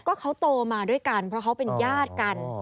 ก็เขาโตมาด้วยกันเพราะเขาเป็นญาติกัน